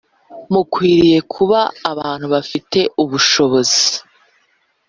mukwiriye kuba abantu bafite ubushobozi